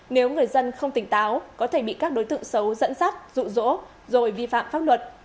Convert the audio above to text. nếu người dân không tỉnh táo có thể bị các đối tượng xấu dẫn dắt rụ rỗ rồi vi phạm pháp luật